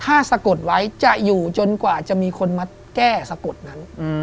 ถ้าสะกดไว้จะอยู่จนกว่าจะมีคนมาแก้สะกดนั้น